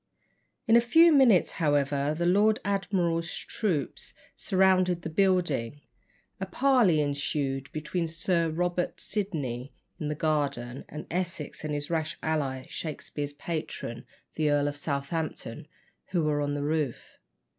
In a few minutes, however, the Lord Admiral's troops surrounded the building. A parley ensued between Sir Robert Sidney in the garden, and Essex and his rash ally, Shakspere's patron, the Earl of Southampton, who were on the roof.